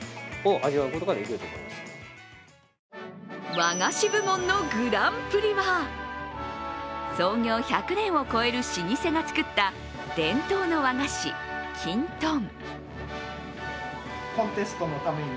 和菓子部門のグランプリは創業１００年を超える老舗が作った伝統の和菓子・きんとん。